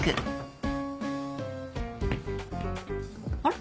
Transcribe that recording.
あれ？